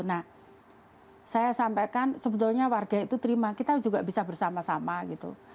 nah saya sampaikan sebetulnya warga itu terima kita juga bisa bersama sama gitu